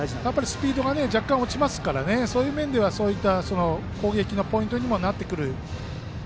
スピードが若干落ちますからそういう面では攻撃のポイントにもなってくる。